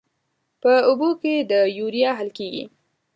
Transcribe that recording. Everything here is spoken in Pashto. په اوبو کې د یوریا حل کیږي.